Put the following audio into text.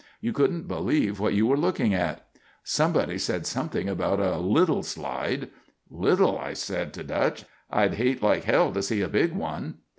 You couldn't believe what you were looking at. "Somebody said something about a 'little slide'. "'Little!' I said to Dutch, 'I'd hate like hell to see a big one!